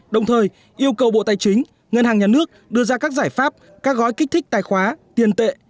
đồng thời yêu cầu bộ tài chính ngân hàng nhà nước đưa ra các giải pháp các gói kích thích tài khoá tiền tệ